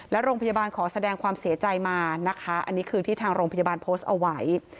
และโรงพยาบาลขอแสดงความเสียใจมานะคะอันนี้คือที่ทางโรงพยาบาลโพสต์เอาไว้